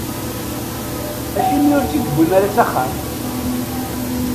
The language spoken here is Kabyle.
Acimi ur tt-id-tewwim ara s axxam?